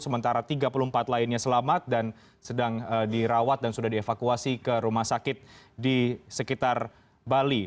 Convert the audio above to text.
sementara tiga puluh empat lainnya selamat dan sedang dirawat dan sudah dievakuasi ke rumah sakit di sekitar bali